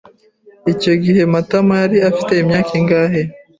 Icyo gihe Matama yari afite imyaka ingahe?